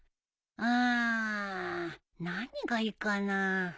うん何がいいかな。